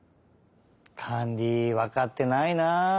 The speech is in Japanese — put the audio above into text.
カンリわかってないな。